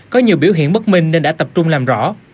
có nhiều biểu hiện bất minh nên đã tập trung làm rõ